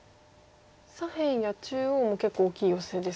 左辺や中央も結構大きいヨセですか。